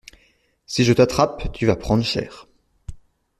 Si je t'attrape, tu vas prendre cher.